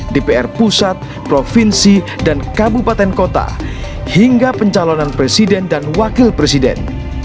dpr pusat provinsi dan kabupaten kota hingga pencalonan presiden dan wakil presiden